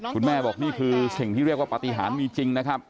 คุณแม่บอกนี่คือสิ่งที่เรียกว่าปฏิหารมีจริงนะครับ